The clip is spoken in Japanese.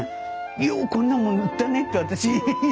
「ようこんなもん縫ったね」って私。